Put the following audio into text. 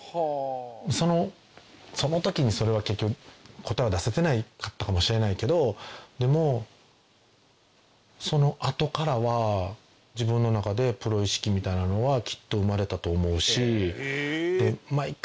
そのその時にそれは結局答えは出せてなかったかもしれないけどでもそのあとからは自分の中でプロ意識みたいなのはきっと生まれたと思うし。